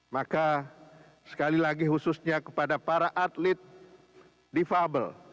maka sekali lagi khususnya kepada para atlet difabel